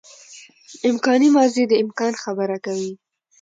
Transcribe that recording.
امکاني ماضي د امکان خبره کوي.